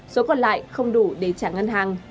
số còn lại không đủ để trả ngân hàng